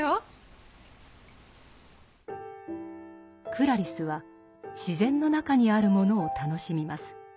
クラリスは自然の中にあるものを楽しみます。